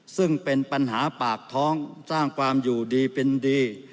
ซึ่งเป็นปัญหาปากท้องสร้างความอยู่ดีเป็นดี